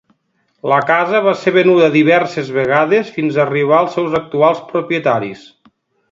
La casa va ser venuda diverses vegades fins a arribar als seus actuals propietaris.